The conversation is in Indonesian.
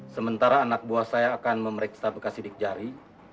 sementara anak buah saya akan memeriksa bekas sidik jari